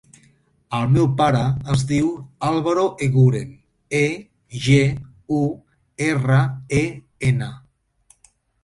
El meu pare es diu Álvaro Eguren: e, ge, u, erra, e, ena.